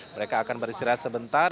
mereka akan beristirahat sebentar